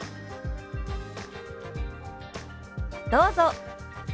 どうぞ。